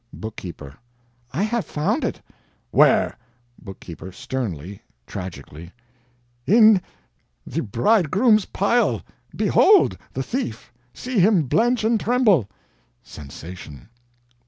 Bookkeeper: "I have found it." "Where?" Bookkeeper (sternly tragically): "In the bridegroom's pile! behold the thief see him blench and tremble!" [Sensation.